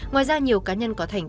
ngoài ra nhiều cá nhân có thành